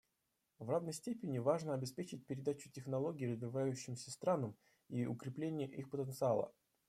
В равной степени важно обеспечить передачу технологий развивающимся странам и укрепление их потенциала.